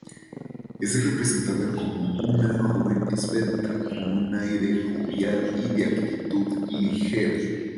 Es representada como una joven esbelta, con un aire jovial y de actitud ligera.